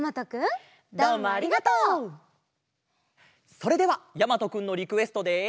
それではやまとくんのリクエストで。